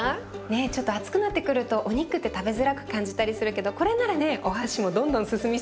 ちょっと暑くなってくるとお肉って食べづらく感じたりするけどこれならねお箸もどんどん進みそうだよね。